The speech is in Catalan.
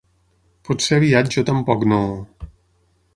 Potser aviat jo tampoc no...